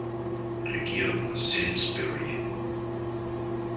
Regierung Salisbury.